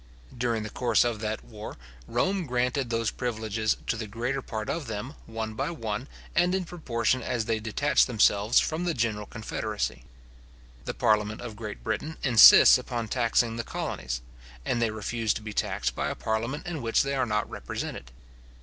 During the course of that war, Rome granted those privileges to the greater part of them, one by one, and in proportion as they detached themselves from the general confederacy. The parliament of Great Britain insists upon taxing the colonies; and they refuse to be taxed by a parliament in which they are not represented.